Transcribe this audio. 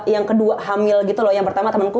yang kedua hamil gitu loh yang pertama temenku